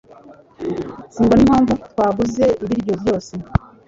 Simbona impamvu twaguze ibiryo byose.